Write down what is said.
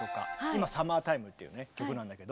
今「サマータイム」っていう曲なんだけど。